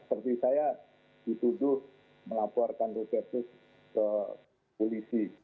seperti saya dituduh melaporkan roses ke polisi